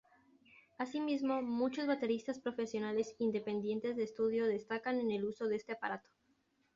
Asimismo, muchos bateristas profesionales independientes de estudio destacan en el uso de este aparato.